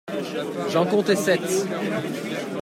J'en comptai sept.